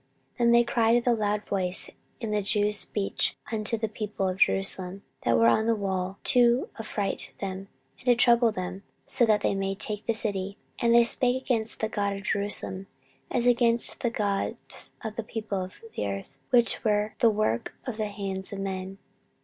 14:032:018 Then they cried with a loud voice in the Jews' speech unto the people of Jerusalem that were on the wall, to affright them, and to trouble them; that they might take the city. 14:032:019 And they spake against the God of Jerusalem, as against the gods of the people of the earth, which were the work of the hands of man.